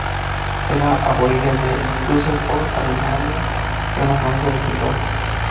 Era aborigen de Düsseldorf, Alemania de una familia de pintores.